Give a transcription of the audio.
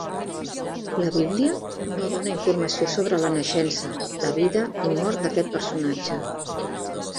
La Bíblia no dóna informació sobre la naixença, la vida i mort d'aquest personatge.